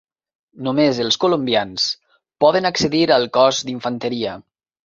Només els colombians poden accedir al cos d'Infanteria.